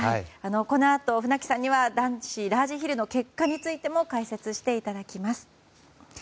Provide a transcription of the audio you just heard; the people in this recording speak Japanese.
このあと船木さんには男子ラージヒルの結果についても解説していただきます。